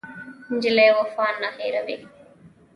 نجلۍ وفا نه هېروي.